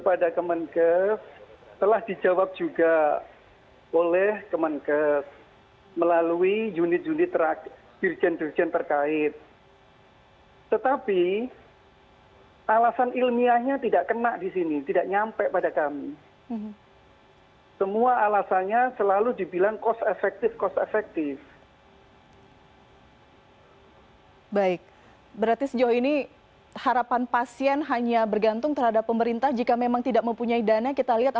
pdib menduga kebijakan tersebut diambil terlebih dahulu sebelum mendengar masukan dari dokter ahli yang menangani kasus